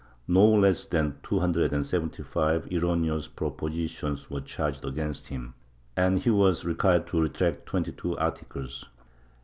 No less than two hundred and seventy five erroneous propositions were charged against him, and he was required to retract twenty two articles.